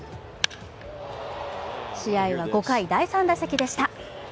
試合は５回、第３打席でした。